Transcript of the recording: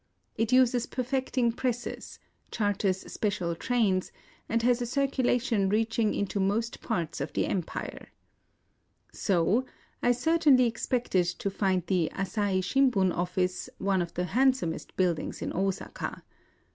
It uses perfecting presses, charters special trains, and has a circulation reaching into most parts of the empire. So I certainly expected to find the " Asahi Shimbun " office IN OSAKA 147 one of the handsomest buildings in Osaka.